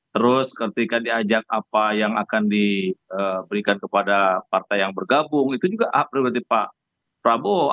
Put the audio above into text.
terus ketika diajak apa yang akan diberikan kepada partai yang bergabung itu juga hak pribadi pak prabowo